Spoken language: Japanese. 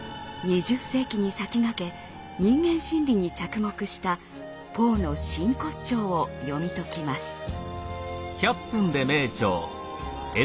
２０世紀に先駆け人間心理に着目したポーの真骨頂を読み解きます。